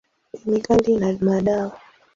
Kemikali na madawa.